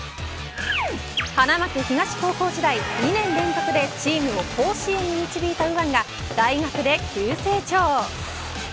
花巻東高校時代、２年連続でチームを甲子園に導いた右腕が大学で急成長。